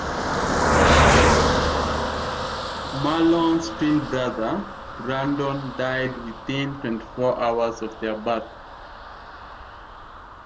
Marlon's twin brother, Brandon died within twenty four hours of their birth.